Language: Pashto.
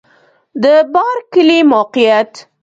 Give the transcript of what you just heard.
د بارک کلی موقعیت